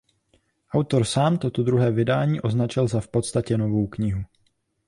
Autor sám toto druhé vydání označil za „v podstatě novou knihu“.